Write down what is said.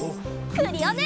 クリオネ！